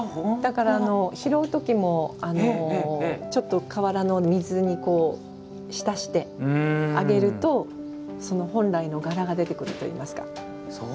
拾う時もちょっとかわらの水に浸してあげると本来の柄が出てくるといいますか。